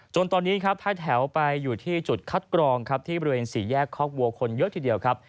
ตอนนี้ครับท้ายแถวไปอยู่ที่จุดคัดกรองครับที่บริเวณสี่แยกคอกวัวคนเยอะทีเดียวครับ